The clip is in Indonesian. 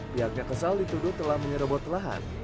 pihaknya kesal dituduh telah menyerobot lahan